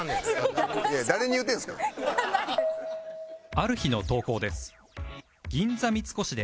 ある日の投稿です